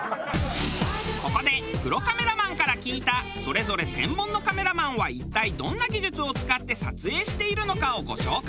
ここでプロカメラマンから聞いたそれぞれ専門のカメラマンは一体どんな技術を使って撮影しているのかをご紹介。